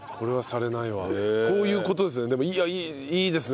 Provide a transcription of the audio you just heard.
こういう事ですね。